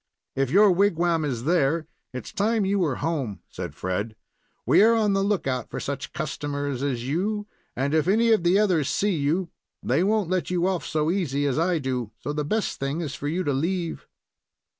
"If your wigwam is there, it is time you were home," said Fred. "We are on the lookout for such customers as you, and if any of the others see you they won't let you off so easy as I do. So the best thing is for you to leave."